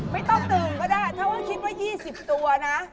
ไม่ต้องตื่นก็ได้ถ้าว่าคิดว่า๒๐ตัวนะ